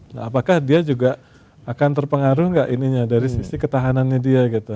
nah apakah dia juga akan terpengaruh nggak ininya dari sisi ketahanannya dia gitu